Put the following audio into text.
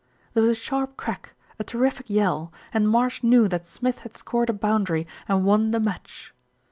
There was a sharp crack, a terrific yell, and Marsh knew that Smith had scored a boundary and won the match.